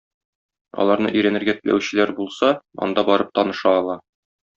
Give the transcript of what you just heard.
Аларны өйрәнергә теләүчеләр булса, анда барып таныша ала.